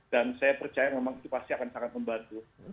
saya percaya memang itu pasti akan sangat membantu